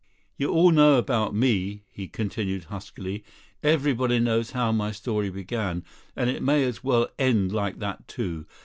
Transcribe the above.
"You all know about me," he continued huskily; "everybody knows how my story began, and it may as well end like that too.